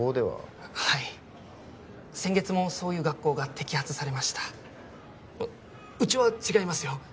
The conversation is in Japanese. はい先月もそういう学校が摘発されましたうちは違いますよ